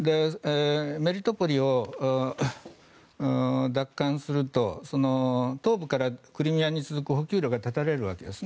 メリトポリを奪還すると東部からクリミアに続く補給路が断たれるわけです。